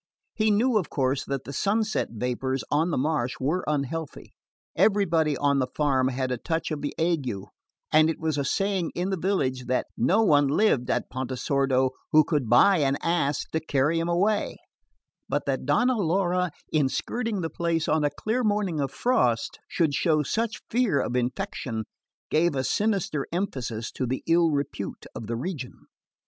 He knew of course that the sunset vapours on the marsh were unhealthy: everybody on the farm had a touch of the ague, and it was a saying in the village that no one lived at Pontesordo who could buy an ass to carry him away; but that Donna Laura, in skirting the place on a clear morning of frost, should show such fear of infection, gave a sinister emphasis to the ill repute of the region.